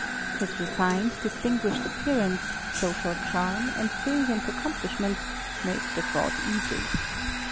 His refined, distinguished appearance, social charm, and brilliant accomplishments made the fraud easy.